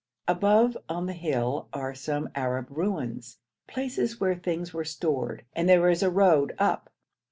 Above on the hill are some Arab ruins, places where things were stored, and there is a road up.